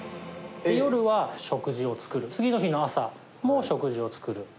夜は食事を作る、次の日の朝も食事を作る。